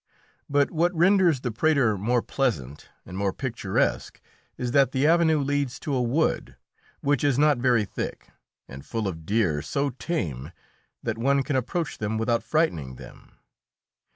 But what renders the Prater more pleasant and more picturesque is that the avenue leads to a wood, which is not very thick, and full of deer so tame that one can approach them without frightening them.